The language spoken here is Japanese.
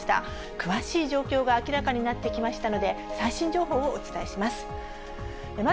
詳しい状況が明らかになってきましたので、最新情報をお伝えしま